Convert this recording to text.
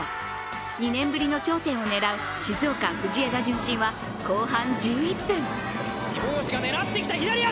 ２年ぶりの頂点を狙う静岡・藤枝順心は後半１１分。